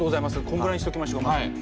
こんぐらいにしときましょうか。